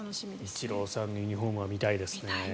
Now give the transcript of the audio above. イチローさんのユニホームは見たいですね。